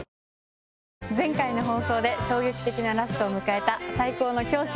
前回衝撃的なラストを迎えた『最高の教師』。